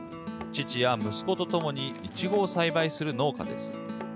父や息子とともにイチゴを栽培する農家です。